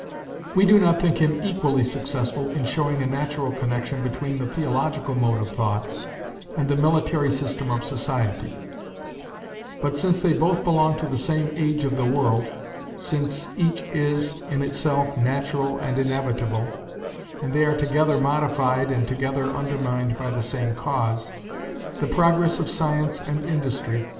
We do not think him equally successful in showing a natural connexion between the theological mode of thought and the military system of society: but since they both belong to the same age of the world since each is, in itself, natural and inevitable, and they are together modified and together undermined by the same cause, the progress of science and industry, M.